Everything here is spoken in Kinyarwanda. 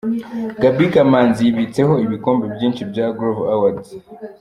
Gaby Kamanzi yibitseho ibikombe byinshi bya Groove Awards.